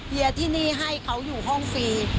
เดียที่นี่ให้เขาอยู่ห้องฟรี